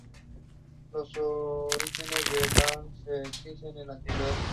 Los orígenes de Lahore se extienden a la antigüedad.